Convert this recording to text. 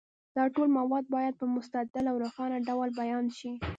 دا ټول موارد باید په مستدل او روښانه ډول بیان شي.